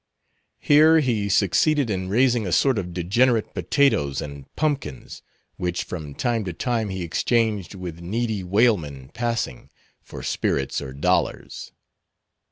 Here he succeeded in raising a sort of degenerate potatoes and pumpkins, which from time to time he exchanged with needy whalemen passing, for spirits or dollars.